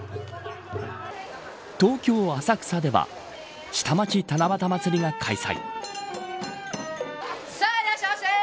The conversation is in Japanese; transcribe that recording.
東京、浅草では下町七夕まつりが開催。